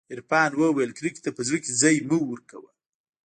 عرفان وويل کرکې ته په زړه کښې ځاى مه ورکوه.